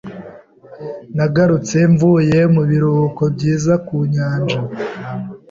Nagarutse mvuye mu biruhuko byiza ku nyanja.